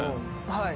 はい。